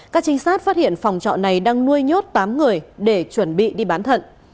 các trinh sát phát hiện phòng trọ này đang nuôi nhốt tám người để chuẩn bị đi bán thận